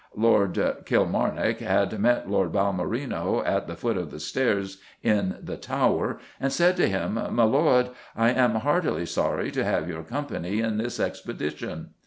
Lord Kilmarnock had met Lord Balmerino at the foot of the stairs in the Tower and said to him, 'My lord, I am heartily sorry to have your company in this expedition.